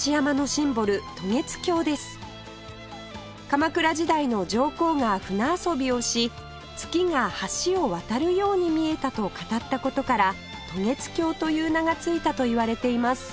鎌倉時代の上皇が船遊びをし月が橋を渡るように見えたと語った事から渡月橋という名が付いたといわれています